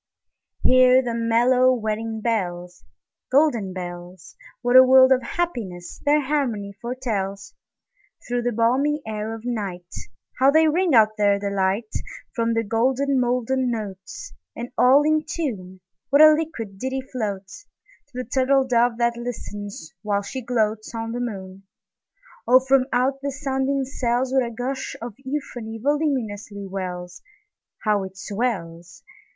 Hear the mellow wedding bells, Golden bells! What a world of happiness their harmony foretells! Through the balmy air of nightHow they ring out their delight! From the molten golden notes, And all in tune, What a liquid ditty floatsTo the turtle dove that listens, while she gloatsOn the moon! Oh, from out the sounding cells, What a gush of euphony voluminously wells! How it swells!